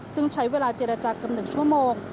ซึ่งใช้เวลาเจรจาเกือบ๑ชั่วโมง